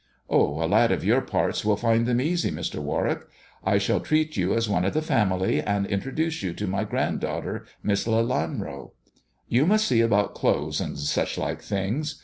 "Oh, a lad of your parts will find them easy, Mr. Warwick. I shall treat you as one of the family, and introduce you to my grand daughter, Miss Lelanro. You must see about clothes and such like things.